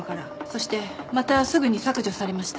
そしてまたすぐに削除されました。